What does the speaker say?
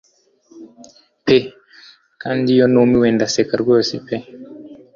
pe kandi iyo numiwe ndaseka rwose pe